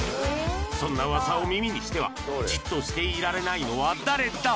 そんな噂を耳にしてはじっとしていられないのは誰だ！